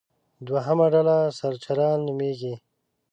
دوهمه ډله سرچران نومېږي.